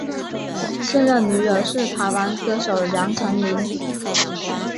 现任女友是台湾歌手杨丞琳。